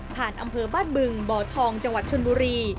อำเภอบ้านบึงบ่อทองจังหวัดชนบุรี